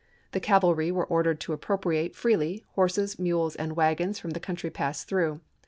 The cavalry were ordered to appropriate, freely, horses, mules, and wagons from the country passed through.